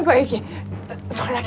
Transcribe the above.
それだけは。